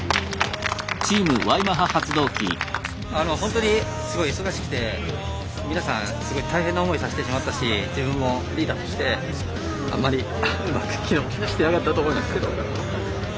ホントにすごい忙しくて皆さんすごい大変な思いさせてしまったし自分もリーダーとしてあんまりうまく機能してなかったと思いますけど。